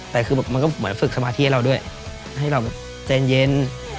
แต่คือมันก็เหมือนฝึกสมาธิให้เราด้วยให้เราแบบใจเย็น